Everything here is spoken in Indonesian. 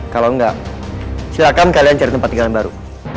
kalau enggak silakan kalian cari tempat tinggalan baru